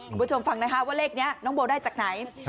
คุณผู้ชมฟังนะคะว่าเลขนี้น้องโบได้จากไหน